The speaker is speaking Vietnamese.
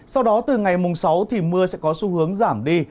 sau đó từ ngày mùng sáu thì mưa sẽ có xu hướng giảm đi